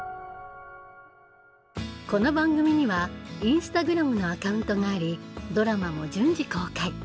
この番組にはインスタグラムのアカウントがありドラマも順次公開。